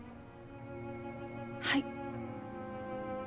はい。